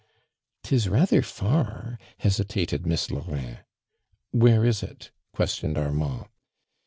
" 'Tis rather far," hesitated Miss Laurin. "Where is it?" questioned Armand.